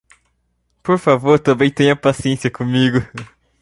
Por favor, também tenha paciência comigo.